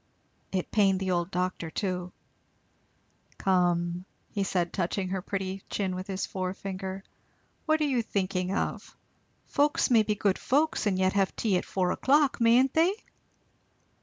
It pained the old doctor too. "Come," said he touching her pretty chin with his forefinger, "what are you thinking of? folks may be good folks and yet have tea at four o'clock, mayn't they?"